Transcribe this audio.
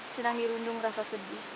senang dirundung rasa sedih